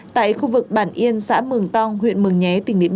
tại khu vực bản yên xã mường nhé